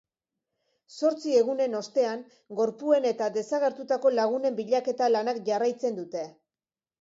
Zortzi egunen ostean, gorpuen eta desagertutako lagunen bilaketa lanak jarraitzen dute.